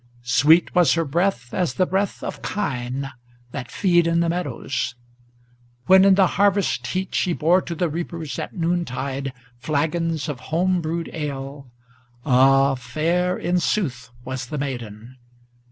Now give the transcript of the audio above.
Sweet was her breath as the breath of kine that feed in the meadows. When in the harvest heat she bore to the reapers at noontide Flagons of home brewed ale, ah! fair in sooth was the maiden.